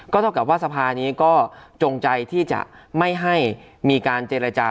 เท่ากับว่าสภานี้ก็จงใจที่จะไม่ให้มีการเจรจา